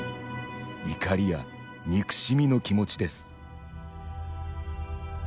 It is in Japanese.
「怒り」や「憎しみ」の気持ちです。